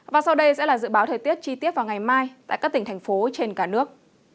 và sau đây sẽ là dự báo thời tiết chi tiết vào ngày mai tại các tỉnh thành phố trên cả nước